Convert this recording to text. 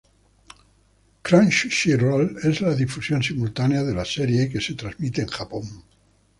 Crunchyroll es la difusión simultánea de la serie que se transmite en Japón.